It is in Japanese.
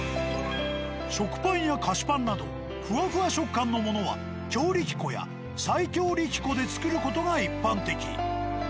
食パンや菓子パンなどふわふわ食感のものは強力粉や最強力粉で作る事が一般的。